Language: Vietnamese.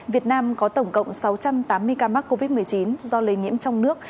việt nam có tổng cộng sáu trăm tám mươi ca mắc covid một mươi chín do lây nhiễm trong nước